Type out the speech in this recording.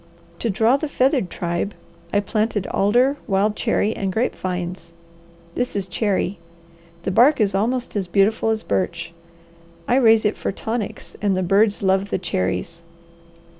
To draw the feathered tribe, I planted alder, wild cherry, and grape vines. This is cherry. The bark is almost as beautiful as birch. I raise it for tonics and the birds love the cherries.